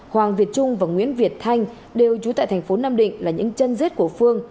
hoàng việt trung và nguyễn việt thanh đều trú tại thành phố nam định là những chân rết của phương